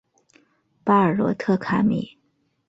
巴尔罗特卡米。